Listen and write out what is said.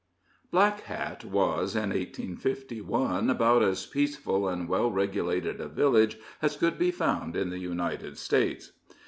Black Hat was, in 1851, about as peaceful and well regulated a village as could be found in the United States.